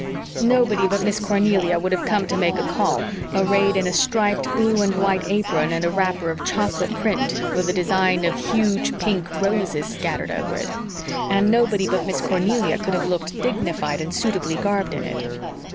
Nobody but Miss Cornelia would have come to make a call arrayed in a striped blue and white apron and a wrapper of chocolate print, with a design of huge, pink roses scattered over it. And nobody but Miss Cornelia could have looked dignified and suitably garbed in it.